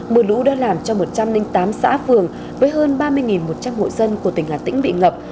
mưa lũ đã làm cho một trăm linh tám xã phường với hơn ba mươi một trăm linh hộ dân của tỉnh hà tĩnh bị ngập